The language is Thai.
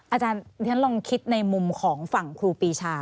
อาจารย์ฉันลองคิดในมุมของฝั่งครูปีชา